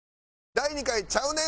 第２回ちゃうねん